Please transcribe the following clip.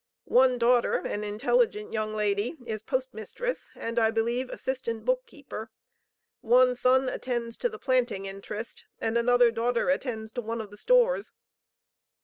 One daughter, an intelligent young lady, is postmistress and I believe assistant book keeper. One son attends to the planting interest, and another daughter attends to one of the stores.